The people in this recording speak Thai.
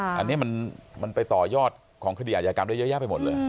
อันนี้มันไปต่อยอดของคดีอาจยากรรมได้เยอะแยะไปหมดเลย